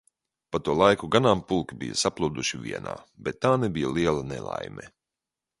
Pa to laiku ganāmpulki bija saplūduši vienā, bet tā nebija liela nelaime.